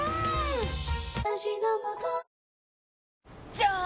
じゃーん！